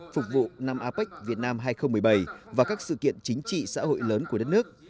phục vụ năm apec việt nam hai nghìn một mươi bảy và các sự kiện chính trị xã hội lớn của đất nước